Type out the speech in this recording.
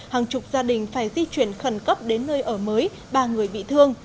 hàng chục gia đình phải di chuyển khẩn cấp đến nơi ở mới ba người bị thương